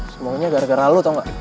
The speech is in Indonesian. semuanya gara gara lo tau gak